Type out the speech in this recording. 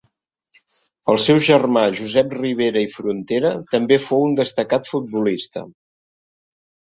El seu germà Josep Ribera i Frontera també fou un destacat futbolista.